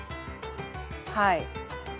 はい。